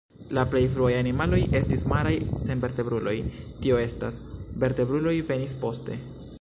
La plej fruaj animaloj estis maraj senvertebruloj, tio estas, vertebruloj venis poste.